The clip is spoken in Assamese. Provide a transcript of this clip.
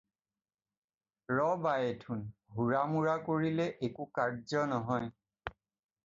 ৰবা এথোন, হুৰা মুৰা কৰিলে একো কাৰ্য্য নহয়।